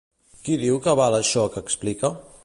Qui diu que avala això que explica?